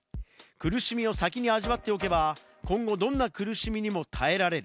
苦しみを先に味わっておけば、今後、どんな苦しみにも耐えられる。